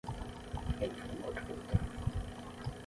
Ele foi morto pelo tráfico.